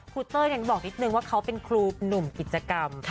เต้ยอย่างที่บอกนิดนึงว่าเขาเป็นครูหนุ่มกิจกรรม